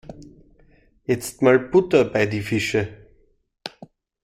Jetzt mal Butter bei die Fische.